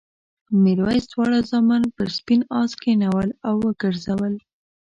میرويس دواړه زامن پر سپین آس کېنول او وګرځول.